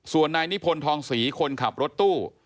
ส่วนนายนิพนธ์ทองศรีคนขับรถตู้